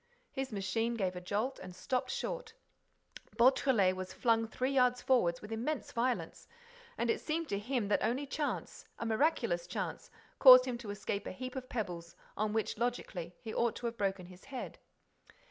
His machine gave a jolt and stopped short. Beautrelet was flung three yards forward, with immense violence, and it seemed to him that only chance, a miraculous chance, caused him to escape a heap of pebbles on which, logically, he ought to have broken his head.